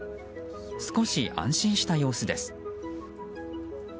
少し安心した様子です。